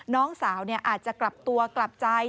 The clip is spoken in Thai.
น้องสาวอาจจะกลับตัวกลับใจ